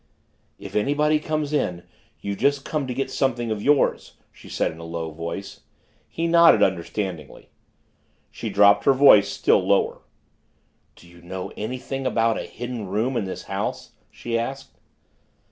"If anybody comes in you've just come to get something of yours," she said in a low voice. He nodded understandingly. She dropped her voice still lower. "Do you know anything about a Hidden Room in this house?" she asked.